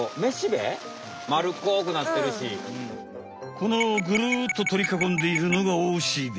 このぐるっととりかこんでいるのがおしべ。